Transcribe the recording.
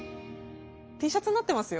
Ｔシャツになってますよ